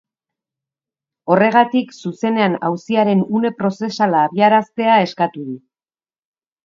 Horregatik, zuzenean auziaren une prozesala abiaraztea eskatu du.